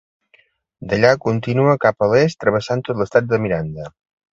D'allà continua cap a l'est travessant tot l'estat de Miranda.